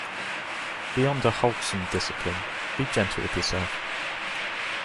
Beyond a wholesome discipline, be gentle with yourself.